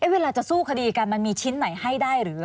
เวลาจะสู้คดีกันมันมีชิ้นไหนให้ได้หรือ